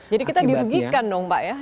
jadi kita dirugikan dong pak ya